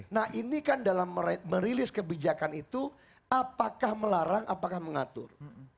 nah ini kan dalam merilis kebijakan itu apakah melarang apakah mengatur